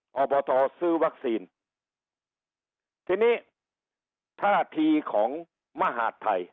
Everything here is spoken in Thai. พ่อพทอซื้อวัคซีที่นี้ท่าทีของมหาธัย